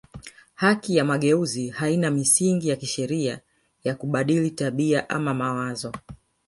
Haki ya mageuzi haina misingi ya kisheria ya kubadili tabia ama mawazo